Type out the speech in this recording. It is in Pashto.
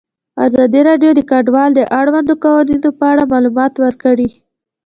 ازادي راډیو د کډوال د اړونده قوانینو په اړه معلومات ورکړي.